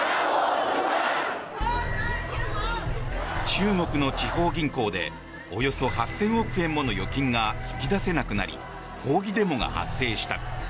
中国の地方銀行でおよそ８０００億円もの預金が引き出せなくなり抗議デモが発生した。